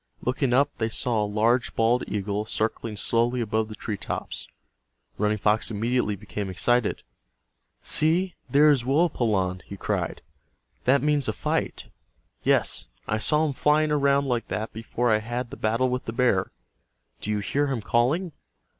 Looking up they saw a large bald eagle circling slowly above the tree tops. Running Fox immediately became excited. "See, there is Woapalanne!" he cried. "That means a fight. Yes, I saw him flying around like that before I had the battle with the bear. Do you hear him calling?